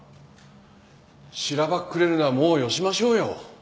しらばっくれるのはもうよしましょうよ。